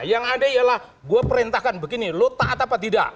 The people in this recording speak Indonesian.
yang ada ialah gue perintahkan begini lu tak ataupun tidak